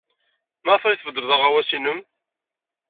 Maɣef ay tbeddled aɣawas-nnem?